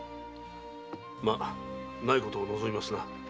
まないことを望みますな。